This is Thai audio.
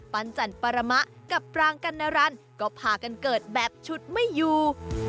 ันจันปรมะกับปรางกัณรันก็พากันเกิดแบบฉุดไม่อยู่